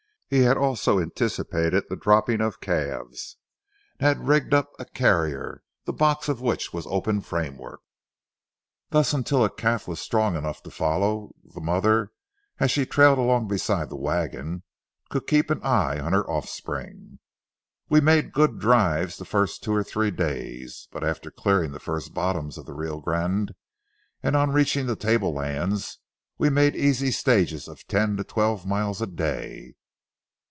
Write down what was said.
He had also anticipated the dropping of calves and had rigged up a carrier, the box of which was open framework. Thus until a calf was strong enough to follow, the mother, as she trailed along beside the wagon, could keep an eye on her offspring. We made good drives the first two or three days; but after clearing the first bottoms of the Rio Grande and on reaching the tablelands, we made easy stages of ten to twelve miles a day.